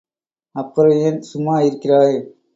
அப்புறம் ஏன் சும்மா இருக்கிறாய்?